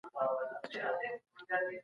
حکومتونه تل د نويو مالي سرچينو په لټه کي دي.